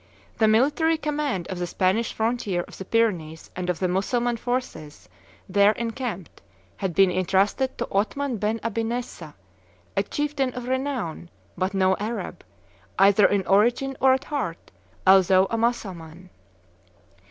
The military command of the Spanish frontier of the Pyrenees and of the Mussulman forces there encamped had been intrusted to Othman ben Abi Nessa, a chieftain of renown, but no Arab, either in origin or at heart, although a Mussulman.